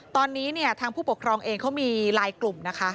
ตอนนี้เนี่ยทางผู้ปกครองเองเขามีลายกลุ่มนะคะ